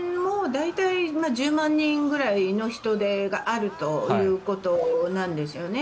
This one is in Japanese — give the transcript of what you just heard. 一応、例年大体１０万人ぐらいの人出があるということなんですよね。